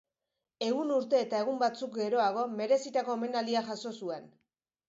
Ehun urte eta egun batzuk geroago, merezitako omenaldia jaso zuen.